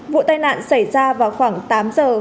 vụ tai nạn xảy ra vào khoảng tám giờ